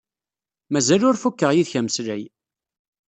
Mazal ur fukkeɣ yid-k ameslay.